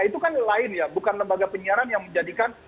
itu kan lain ya bukan lembaga penyiaran yang menjadikan